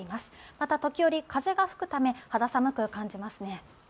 また時折風が吹くため肌寒く感じますね。